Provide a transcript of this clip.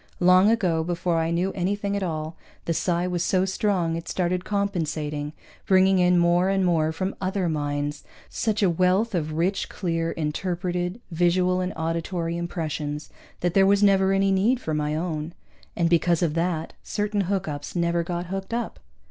Long ago, before I knew anything at all, the psi was so strong it started compensating, bringing in more and more from other minds such a wealth of rich, clear, interpreted visual and auditory impressions that there was never any need for my own. And because of that, certain hookups never got hooked up.